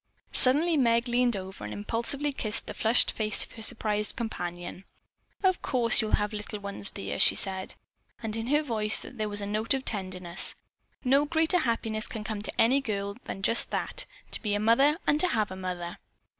Suddenly Meg leaned over and impulsively kissed the flushed face of her surprised companion. "Of course you'll have little ones, dear," she said, and in her voice there was a note of tenderness. "No greater happiness can come to any girl than just that; to be a mother and to have a mother."